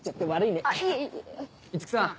五木さん